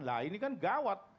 lah ini kan gawat